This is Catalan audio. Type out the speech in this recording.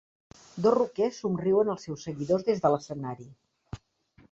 Dos roquers somriuen als seus seguidors des de l'escenari.